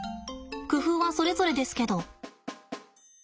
工夫はそれぞれですけど。